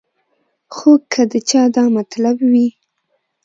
خو کۀ د چا دا مطلب وي